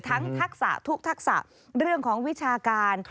ทักษะทุกทักษะเรื่องของวิชาการ